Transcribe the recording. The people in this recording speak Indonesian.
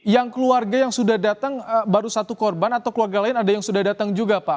yang keluarga yang sudah datang baru satu korban atau keluarga lain ada yang sudah datang juga pak